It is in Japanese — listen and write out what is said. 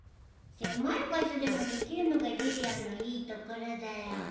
狭い場所でもできるのがリリアンのいいところだよ。